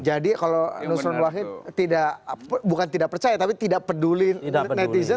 jadi kalau nusron wahid tidak bukan tidak percaya tapi tidak peduli netizen